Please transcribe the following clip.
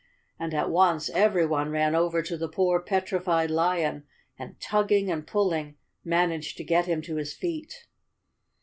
And at once everyone ran over to the poor petrified lion, and tugging and pulling, managed to get him to his feet.